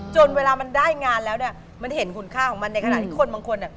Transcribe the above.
จนเวลามันได้งานแล้วเนี่ยมันเห็นคุณค่าของมันในขณะที่คนบางคนเนี่ย